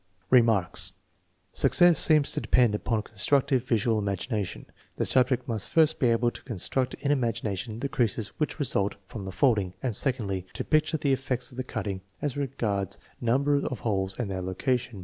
Remarks. Success seems to depend upon constructive visual imagination. The subject must first be able to con struct in imagination the creases which result from the folding, and secondly, to picture the effects of the cutting as regards number of holes and their location.